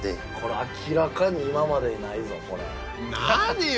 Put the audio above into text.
明らかに今までにないぞこれ。